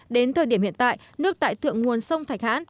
đến thời điểm hiện tại nước tại thượng nguồn sông thạch hãn